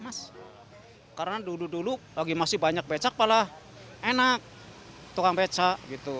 mas karena dulu dulu lagi masih banyak beca palah enak tukang beca gitu